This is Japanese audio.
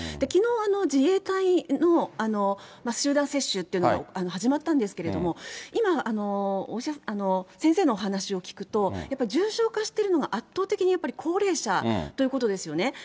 きのう、自衛隊の集団接種っていうのが始まったんですけれども、今、先生のお話を聞くと、やっぱり重症化しているのが、圧倒的にやっぱり高齢者ということですよね。